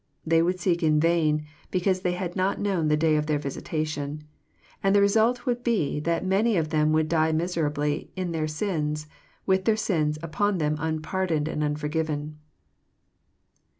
They would seek in vain, because they had not known the day of their visitation. And the result would be that many of them would die miserably *< in their sins/'— with their sins upon them unpardoned and un forgiven.